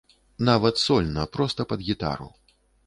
Нават сольна, проста пад гітару.